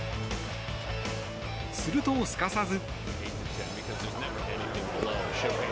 すると、すかさず。